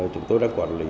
chúng tôi đang quản lý